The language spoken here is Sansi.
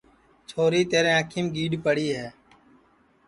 چھوری تیرے انکھیم گیڈؔ پڑی ہے